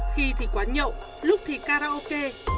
khi thì quán nhậu lúc thì karaoke